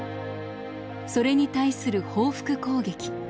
それに対する報復攻撃。